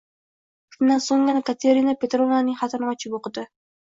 Shundan soʻnggina Katerina Petrovnaning xatini ochib oʻqidi.